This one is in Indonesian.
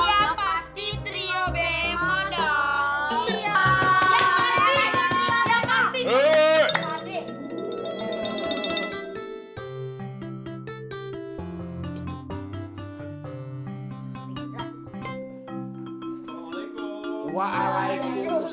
ya pasti trio bemo dong